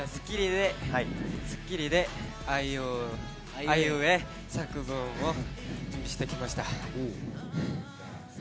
『スッキリ』であいうえお作文を準備してきました。